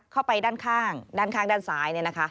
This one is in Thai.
เข้าไปด้านข้างด้านข้างด้านซ้ายเนี่ยนะคะ